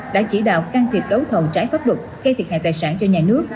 đã chỉ đạo can thiệp đấu thầu trái pháp luật gây thiệt hại tài sản cho nhà nước